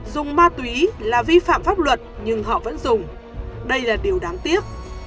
dùng ma túy là vi phạm pháp luật nhưng họ vẫn dùng đây là điều đáng tiếc